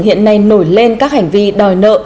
hiện nay nổi lên các hành vi đòi nợ